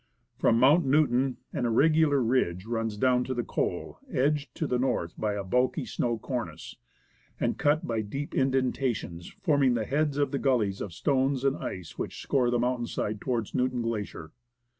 From Mount Newton an irregular ridge runs down to the col, edged, to the north, by a bulky snow cornice, and cut by deep indentations forming the heads of the gullies of stones and ice which score the mountain side towards Newton Glacier.